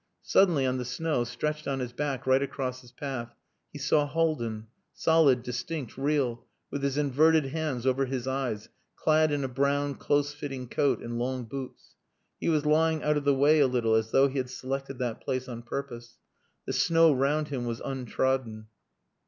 Suddenly on the snow, stretched on his back right across his path, he saw Haldin, solid, distinct, real, with his inverted hands over his eyes, clad in a brown close fitting coat and long boots. He was lying out of the way a little, as though he had selected that place on purpose. The snow round him was untrodden.